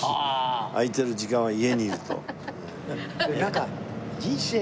空いてる時間は家にいると。